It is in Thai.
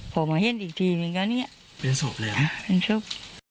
พ่อมาเห็นอีกทีเหมือนกันเนี้ยเป็นศพเลยเหรอเป็นศพ